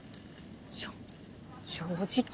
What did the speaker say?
しょ正直。